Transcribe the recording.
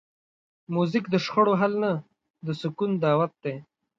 موزیک د شخړو حل نه، د سکون دعوت دی.